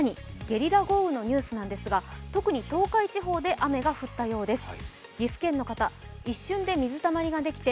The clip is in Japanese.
ゲリラ豪雨のニュースなんですが特に東海地方で雨が降ったようです。